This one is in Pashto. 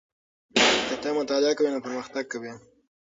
که ته مطالعه کوې نو پرمختګ کوې.